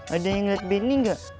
ada yang liat beni gak